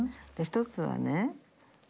１つはね